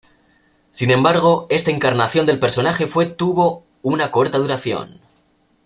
Sin embargo, esta encarnación del personaje fue tuvo una corta duración.